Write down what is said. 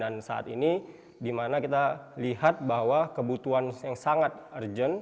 dan saat ini dimana kita lihat bahwa kebutuhan yang sangat urgent